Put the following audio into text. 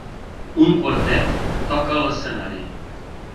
Un quartet toca a l'escenari.